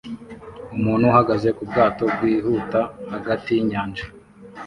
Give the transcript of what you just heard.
Umuntu uhagaze ku bwato bwihuta hagati yinyanja